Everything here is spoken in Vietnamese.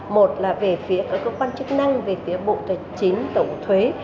một là về phía các cơ quan chức năng về phía bộ tài chính tổng thuế